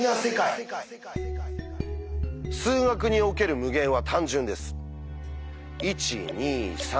数学における「無限」は単純です。